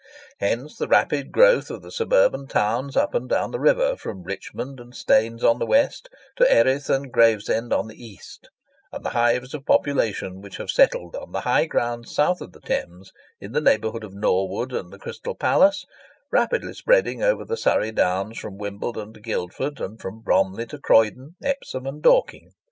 Hence the rapid growth of the suburban towns up and down the river, from Richmond and Staines on the west, to Erith and Gravesend on the east, and the hives of population which have settled on the high grounds south of the Thames, in the neighbourhood of Norwood and the Crystal Palace, rapidly spreading over the Surrey Downs, from Wimbledon to Guildford, and from Bromley to Croydon, Epsom, and Dorking.